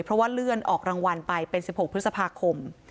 เพราะว่าเลื่อนออกรางวัลไปเป็น๑๖พฤษภาคม